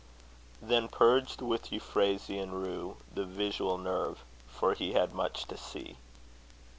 then purged with Euphrasy and Rue The visual nerve, for he had much to see.